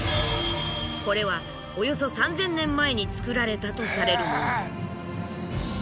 これはおよそ３，０００年前に作られたとされるもの。